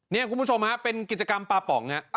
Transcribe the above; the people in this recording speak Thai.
นี่คุณผู้ชมฮะเป็นกิจกรรมปลาป๋องฮะ